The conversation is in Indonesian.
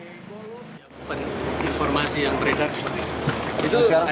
apa informasi yang berita